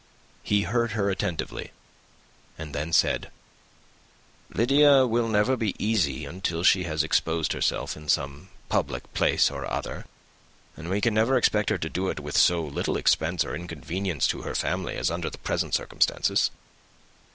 He heard her attentively, and then said, "Lydia will never be easy till she has exposed herself in some public place or other, and we can never expect her to do it with so little expense or inconvenience to her family as under the present circumstances."